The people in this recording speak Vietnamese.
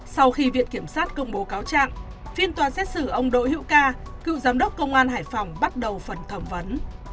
sau khi viện kiểm sát công bố cáo trạng phiên tòa xét xử ông đỗ hữu ca cựu giám đốc công an hải phòng bắt đầu phần thẩm vấn